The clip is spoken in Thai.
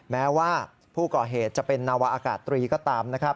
แม้ว่าผู้ก่อเหตุจะเป็นนวะอากาศตรีก็ตาม